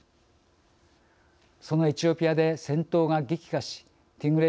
そのエチオピアで戦闘が激化しティグレ